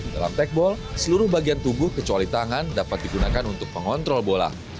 dalam tekball seluruh bagian tubuh kecuali tangan dapat digunakan untuk pengontrol bola